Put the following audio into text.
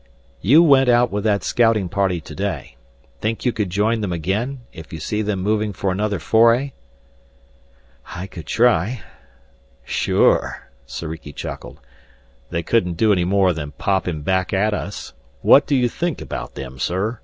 "You went out with that scouting party today. Think you could join them again, if you see them moving for another foray?" "I could try." "Sure," Soriki chuckled, "they couldn't do any more than pop him back at us. What do you think about them, sir?